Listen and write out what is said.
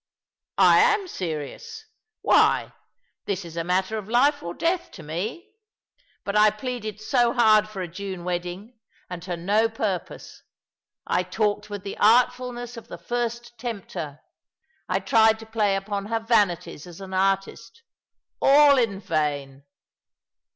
" I am serious. "Why, this is a matter of life or death to me. But I pleaded so hard for a June wedding — and to no purpose. I talked with the artfulness of the first Tempter— I tried to play upon her vanities as an artist. All in Tain